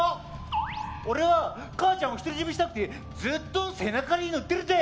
俺は母ちゃんを独り占めしたくてずっと背中に乗ってるんだ！